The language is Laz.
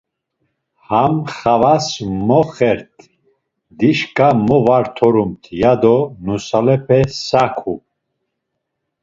Ham xavas mo xert, dişǩa mo var torumt ya do nusalepe saku.